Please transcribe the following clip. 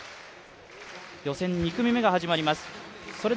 予選２組目が始まります。